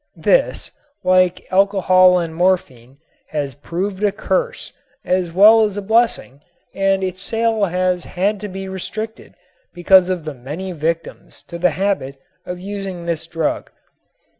This, like alcohol and morphine, has proved a curse as well as a blessing and its sale has had to be restricted because of the many victims to the habit of using this drug.